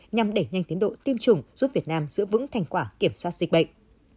nhằm đẩy nhanh tiến độ tiêm chủng giúp việt nam giữ vững thành quả kiểm soát dịch bệnh